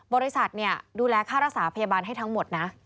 บริษัทดูแลค่ารักษาพยาบาลให้ทั้งหมดนะ